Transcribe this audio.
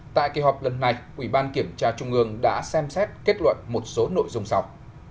tại kỳ họp lần này ủy ban kiểm tra trung ương đã xem xét kết luận một số nội dung sau